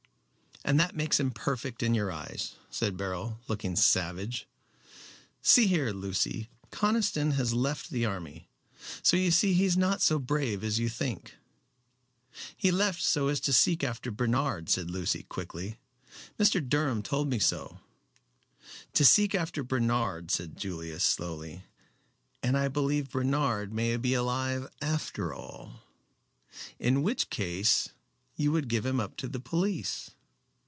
"And that makes him perfect in your eyes," said Beryl, looking savage. "See here, Lucy, Conniston has left the army so you see he is not so brave as you think." "He left so as to seek after Bernard," said Lucy, quickly. "Mr. Durham told me so." "To seek after Bernard," said Julius, slowly, "and I believe Bernard may be alive after all." "In which case you would give him up to the police."